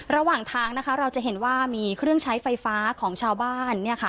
ระหว่างทางนะคะเราจะเห็นว่ามีเครื่องใช้ไฟฟ้าของชาวบ้านเนี่ยค่ะ